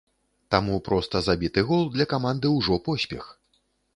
Таму проста забіты гол для каманды ўжо поспех.